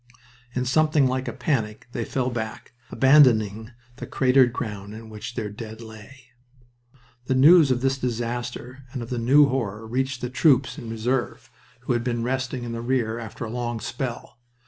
In something like a panic they fell back, abandoning the cratered ground in which their dead lay. The news of this disaster and of the new horror reached the troops in reserve, who had been resting in the rear after a long spell.